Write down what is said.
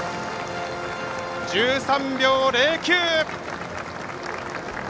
１３秒０９！